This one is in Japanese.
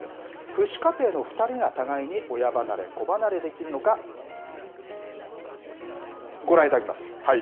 父子家庭の２人が互いに親離れ、子離れできるのか、ご覧いただきます。